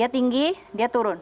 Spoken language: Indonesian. tapi dia turun